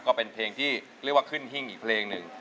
ก็เป็นเพลงที่เรียกว่าขึ้นหิ้งอีกเพลงหนึ่ง